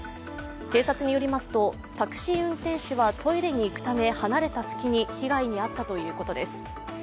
警察によりますとタクシー運転手はトイレに行くため離れた隙に被害に遭ったということです。